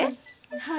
はい。